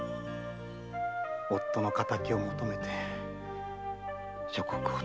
夫の敵を求めて諸国を転々と。